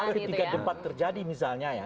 ketika debat terjadi misalnya ya